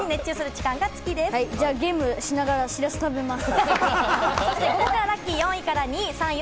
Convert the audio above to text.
じゃあゲームしながらしらす食べます。